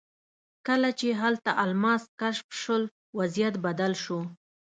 کله چې هلته الماس کشف شول وضعیت بدل شو.